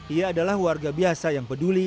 ia adalah warga biasa yang peduli